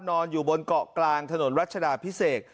นอนอยู่บนเกาะกลางถนนรัชดาพิเศษ